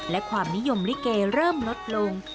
และความนิยมลิเกเริ่มลดลง